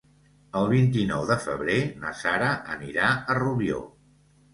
El vint-i-nou de febrer na Sara anirà a Rubió.